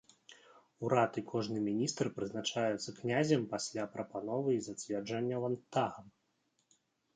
Урад і кожны міністр прызначаюцца князем пасля прапановы і зацвярджэння ландтагам.